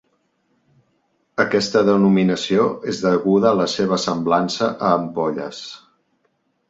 Aquesta denominació és deguda a la seva semblança a ampolles.